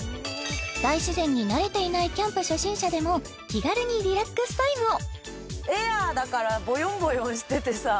大自然に慣れていないキャンプ初心者でも気軽にリラックスタイムを！